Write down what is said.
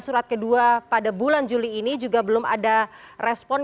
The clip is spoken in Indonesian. surat kedua pada bulan juli ini juga belum ada respon